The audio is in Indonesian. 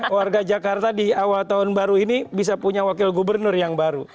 warga jakarta di awal tahun baru ini bisa punya wakil gubernur yang baru